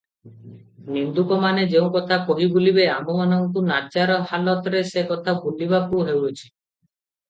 ନିନ୍ଦୁକମାନେ ଯେଉଁ କଥା କହି ବୁଲିବେ, ଆମ୍ଭମାନଙ୍କୁ ନାଚାର ହାଲତରେ ସେ କଥା ବୋଲିବାକୁ ହେଉଅଛି ।